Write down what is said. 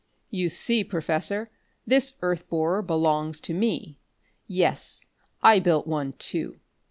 "You see, Professor, this earth borer belongs to me. Yes, I built one too.